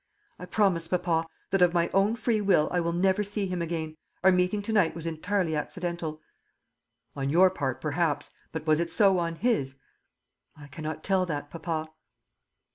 "I promise, papa, that of my own free will I will never see him again. Our meeting to night was entirely accidental." "On your part, perhaps; but was it so on his?" "I cannot tell that, papa."